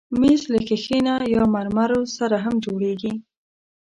مېز له ښیښې یا مرمرو سره هم جوړېږي.